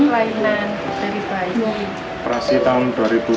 bukan penyakit sih ini pelayanan dari bayi